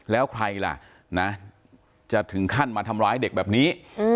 แล้วใครล่ะนะจะถึงขั้นมาทำร้ายเด็กแบบนี้